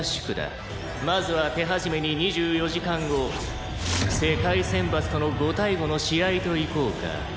「まずは手始めに２４時間後世界選抜との５対５の試合といこうか」